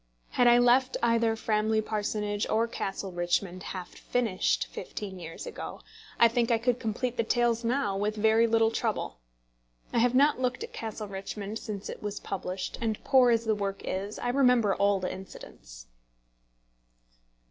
Had I left either Framley Parsonage or Castle Richmond half finished fifteen years ago, I think I could complete the tales now with very little trouble. I have not looked at Castle Richmond since it was published; and poor as the work is, I remember all the incidents.